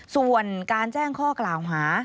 ส่วนการแจ้งข้อกล่าวหา